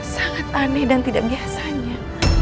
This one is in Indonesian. sangat aneh dan tidak biasanya